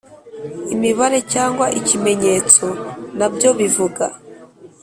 imibare cyangwa ikimenyetso nabyo bivuga.